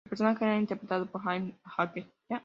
El personaje era interpretado por Amy Acker.